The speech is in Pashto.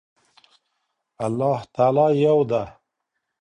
الله تعالی يو ده